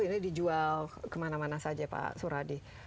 ini dijual kemana mana saja pak suradi